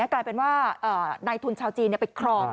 กลายเป็นว่านายทุนชาวจีนไปครอง